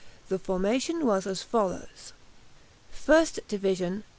The formation was as follows: FIRST DIVISION.